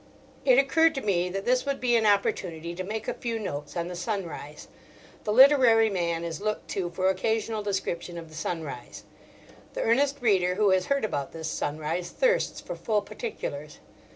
It occurred to me that this would be an opportunity to make a few notes on the sunrise. The literary man is looked to for occasional description of the sunrise. The earnest reader who has heard about this sunrise thirsts for full particulars.